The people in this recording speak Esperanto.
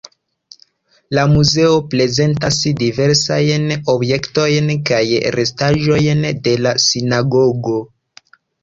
La muzeo prezentas diversajn objektojn kaj restaĵojn de la sinagogo.